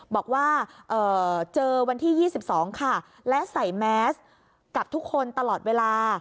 บอกว่าเจอวันที่๒๒ค่ะและใส่แมสกับทุกคนตลอดเวลา